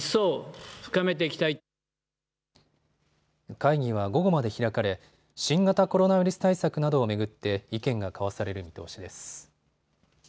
会議は午後まで開かれ新型コロナウイルス対策などを巡って意見が交わされる見通しです。